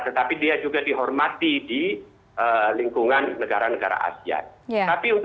tetapi dia juga dihormati di lingkungan negara lain